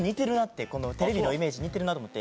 このテレビのイメージ似てるなと思って。